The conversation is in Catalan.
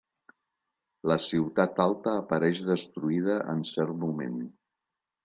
La ciutat alta apareix destruïda en cert moment.